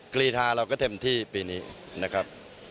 กรีธาเราก็เต็มที่ปีนี้นะครับ